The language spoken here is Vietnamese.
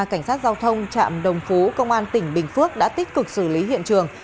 cảnh sát giao thông trạm đồng phú công an tỉnh bình phước đã tích cực xử lý hiện trường